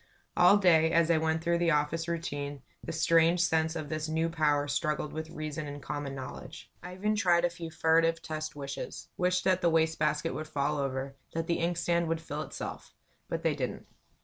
All day, as I went through the office routine, the strange sense of this new power struggled with reason and common knowledge. I even tried a few furtive test "wishes" wished that the waste basket would fall over, that the inkstand would fill itself; but they didn't.